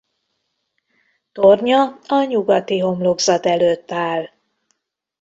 Tornya a nyugati homlokzat előtt áll.